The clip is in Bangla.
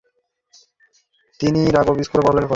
তিনি রাগবি স্কুলে লেখাপড়া করেন।